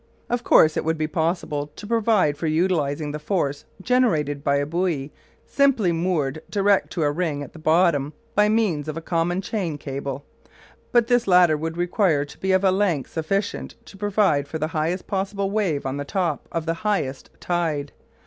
Of course it would be possible to provide for utilising the force generated by a buoy simply moored direct to a ring at the bottom by means of a common chain cable; but this latter would require to be of a length sufficient to provide for the highest possible wave on the top of the highest tide.